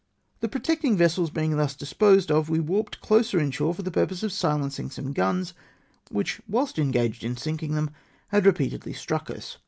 The protecting vessels being thus disposed of, we warped closer in shore for the purpose of silencing some fTuns which whilst ensaffed in sinkino; them had o CO O repeatedly struck us.